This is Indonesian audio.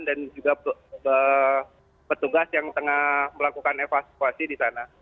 dan juga petugas yang tengah melakukan evakuasi di sana